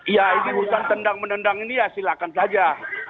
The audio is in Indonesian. ya ini hutan tendang menendang ini ya silakan saja